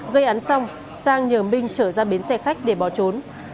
gây án xong sang nhờ minh trở ra bến xe khách để bỏ trốn